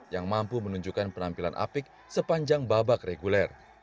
yang mampu menunjukkan penampilan apik sepanjang babak reguler